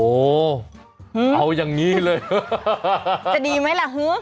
โอ้โฮเอายังงี้เลยจะดีไหมล่ะฮื้อ